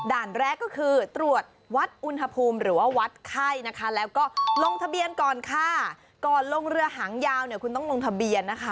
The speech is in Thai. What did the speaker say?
แรกก็คือตรวจวัดอุณหภูมิหรือว่าวัดไข้นะคะแล้วก็ลงทะเบียนก่อนค่ะก่อนลงเรือหางยาวเนี่ยคุณต้องลงทะเบียนนะคะ